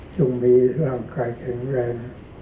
จงมีร่างกายแข็งแรง